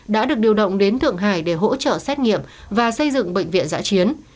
đã được điều động đến thượng hải để hỗ trợ xét nghiệm và xây dựng bệnh viện giã chiến